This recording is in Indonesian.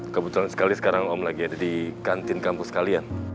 kebetulan sekali sekarang om lagi ada di kantin kampus kalian